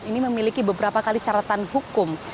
ini memiliki beberapa kali caratan hukum